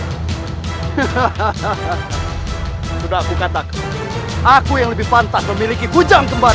hehehe sudah aku katakan aku yang lebih pantas memiliki hujan kembar